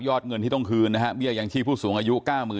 ยอดเงินที่ต้องคืนเรียกอย่างที่ผู้สูงอายุ๙๓๔๐๐